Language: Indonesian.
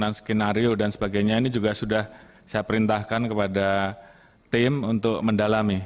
dengan skenario dan sebagainya ini juga sudah saya perintahkan kepada tim untuk mendalami